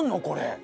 これ。